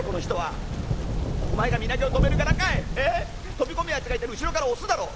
飛び込むやつがいたら後ろから押すだろう」。